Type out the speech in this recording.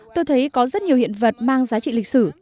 tôi thấy có rất nhiều hiện vật mang giá trị lịch sử